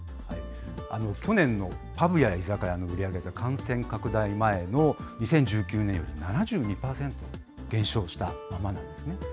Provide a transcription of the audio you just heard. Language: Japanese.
去年のパブや居酒屋の売り上げは、感染拡大前の２０１９年より７２％減少したままなんですね。